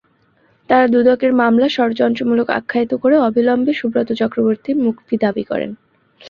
তাঁরা দুদকের মামলা ষড়যন্ত্রমূলক আখ্যায়িত করে অবিলম্বে সুব্রত চক্রবর্তীর মুক্তি দাবি করেন।